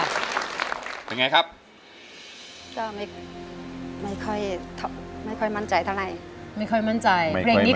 อกรุณภาพบูรณ์ที่๓ของพี่โอ